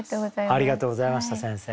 ありがとうございました先生。